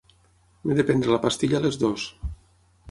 M'he de prendre la pastilla a les dues.